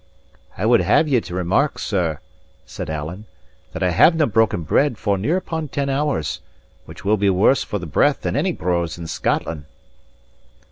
"I would have ye to remark, sir," said Alan, "that I havenae broken bread for near upon ten hours, which will be worse for the breath than any brose in Scotland."